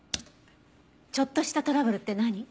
ちょっとしたトラブルって何？